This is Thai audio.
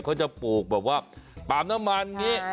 เขาจะปลูกแบบว่าปาล์มน้ำมันอย่างนี้